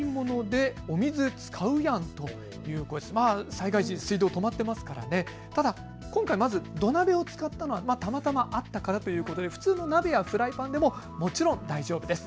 災害時に水道、止まってますから土鍋を使ったのはたまたまあったからということで普通の鍋やフライパンでももちろん大丈夫です。